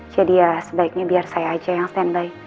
jadi ya sebaiknya biar saya aja yang standby